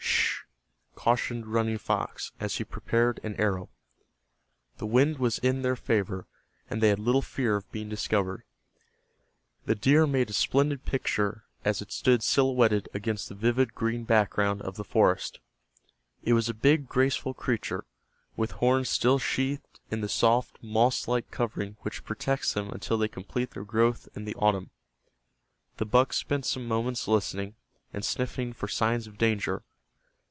"Sh," cautioned Running Fox, as he prepared an arrow. The wind was in their favor, and they had little fear of being discovered. The deer made a splendid picture as it stood silhouetted against the vivid green background of the forest. It was a big, graceful creature, with horns still sheathed in the soft moss like covering which protects them until they complete their growth in the autumn. The buck spent some moments listening, and sniffing for signs of danger.